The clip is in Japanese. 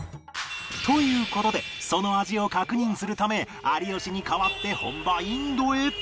という事でその味を確認するため有吉に代わって本場インドへ